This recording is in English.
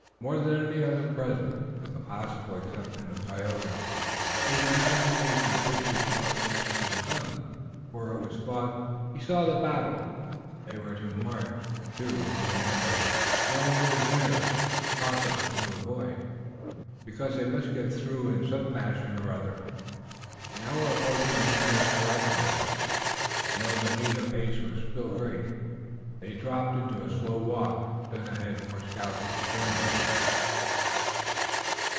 More than any other present, with the possible exception of Tayoga, his imagination pictured what was to come, and before it was fought he saw the battle. They were to march, too, into an ambush, knowing it was there, but impossible to be avoided, because they must get through in some fashion or other. They were now approaching Andiatarocte again, and although the need of haste was still great they dropped perforce into a slow walk, and sent ahead more scouts and skirmishers.